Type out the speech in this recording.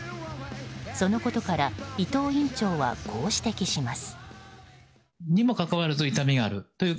そのことから伊藤院長はこう指摘します。